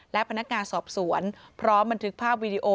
และพนักงานสอบสวนพร้อมบันทึกภาพวีดีโอ